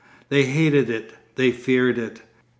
They hated it. They feared it.